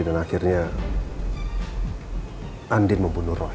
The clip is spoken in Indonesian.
dan akhirnya andi membunuh roy